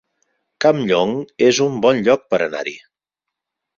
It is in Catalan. Campllong es un bon lloc per anar-hi